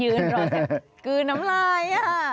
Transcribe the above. ยืนรอแบบกืนน้ำลาย